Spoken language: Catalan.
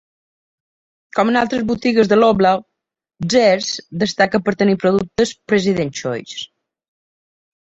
Com en altres botigues de Loblaw, Zehrs destaca per tenir productes President's Choice.